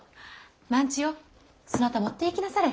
万千代そなた持っていきなされ。